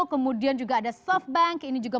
kemudian juga ada softbank